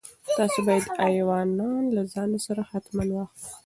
تاسو باید ایوانان له ځان سره حتماً واخلئ.